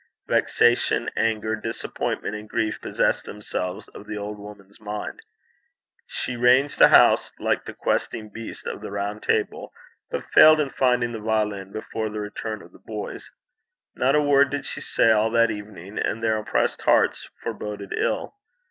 Vexation, anger, disappointment, and grief possessed themselves of the old woman's mind. She ranged the house like the 'questing beast' of the Round Table, but failed in finding the violin before the return of the boys. Not a word did she say all that evening, and their oppressed hearts foreboded ill.